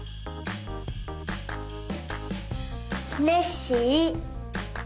ネッシー。